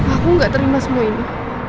aku nggak terima semua ini